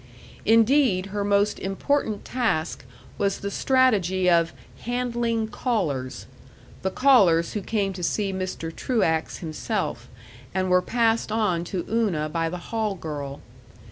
Indeed, her most important task was the strategy of "handling callers" the callers who came to see Mr. Truax himself, and were passed on to Una by the hall girl.